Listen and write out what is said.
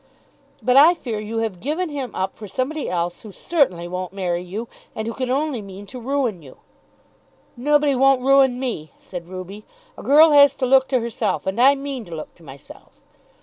"But I fear you have given him up for somebody else, who certainly won't marry you, and who can only mean to ruin you." "Nobody won't ruin me," said Ruby. "A girl has to look to herself, and I mean to look to myself."